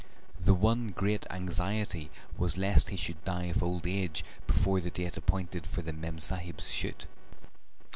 The one great anxiety was lest he should die of old age before the date appointed for the memsahib's shoot.